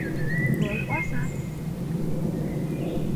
Был Азат